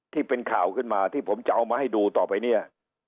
ที่เป็นข่าวขึ้นมาที่ผมจะเอามาให้ดูต่อไปเนี่ย